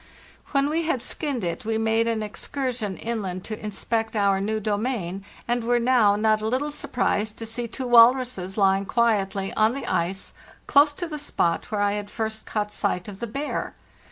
When we had skinned it we made an excursion in land to inspect our new domain, and were now not a little surprised to see two walruses lying quietly on the ice close to the spot where I had first caught sight of the bear.